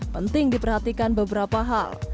penting diperhatikan beberapa hal